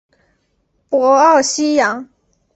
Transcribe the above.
博奥西扬。